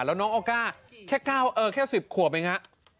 แล้วน้องออก้าแค่๑๐ขวบเองฮะ